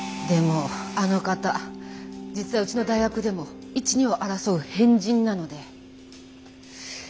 でもあの方実はうちの大学でも一二を争う変人なので。